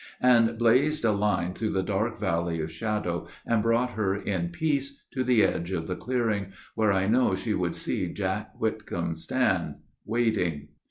And blazed a line through the dark Valley of Shadow, And brought her in peace to the edge of the clearing, Where I know she would see Jack Whitcomb stand, waiting.